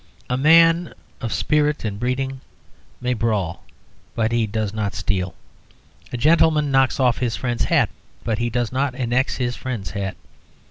A man of spirit and breeding may brawl, but he does not steal. A gentleman knocks off his friend's hat; but he does not annex his friend's hat.